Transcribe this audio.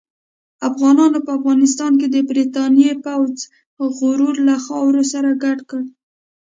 افغانانو په افغانستان کې د برتانیې پوځ غرور له خاورو سره ګډ کړ.